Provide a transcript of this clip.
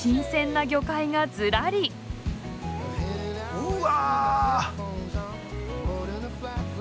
うわ。